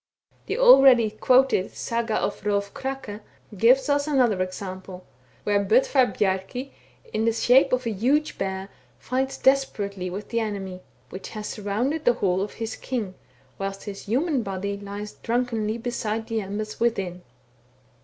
The already quoted Saga of Hrolf Krake gives us another example, where Bodvar Bjarki, in the shape of a huge bear, fights desperately with the enemy, which has surrounded the hall of his king, whilst his human body lies drunkenly beside the embers within.